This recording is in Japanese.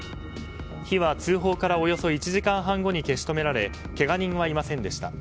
火は通報からおよそ１時間半後に消し止められけが人はいませんでした。